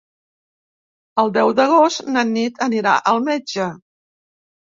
El deu d'agost na Nit anirà al metge.